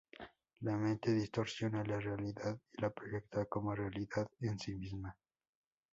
La mente distorsiona la realidad y la proyecta como realidad en sí misma.